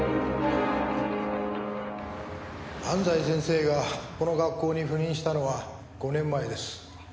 安西先生がこの学校に赴任したのは５年前です。